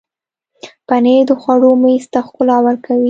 پنېر د خوړو میز ته ښکلا ورکوي.